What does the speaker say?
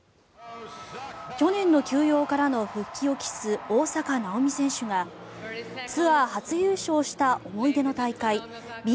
去年の休養からの復帰を期す大坂なおみ選手がツアー初優勝した思い出の大会